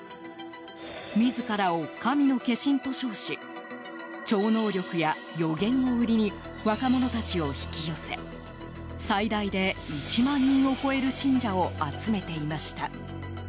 自らを神の化身と称し超能力や予言を売りに若者たちを引き寄せ最大で１万人を超える信者を集めていました。